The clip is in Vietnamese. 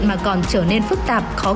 mà còn trở nên phức tạp khó khăn